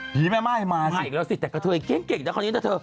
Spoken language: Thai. ผีแม่ม่ายมาอีกแล้วสิมาอีกแล้วสิแต่กระเทยเก่งนะคราวนี้นะเถอะ